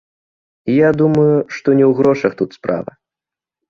Я думаю, што не ў грошах тут справа.